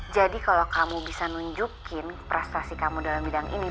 jadi kalau kamu bisa nunjukin prestasi kamu dalam bidang ini